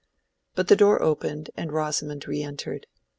But the door opened and Rosamond re entered.